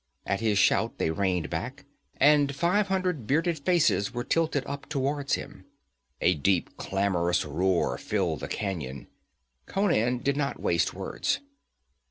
At his shout they reined back, and five hundred bearded faces were tilted up towards him; a deep, clamorous roar filled the canyon. Conan did not waste words.